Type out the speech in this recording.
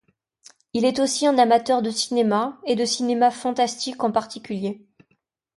Il est aussi un amateur de cinéma, et de cinéma fantastique en particulier.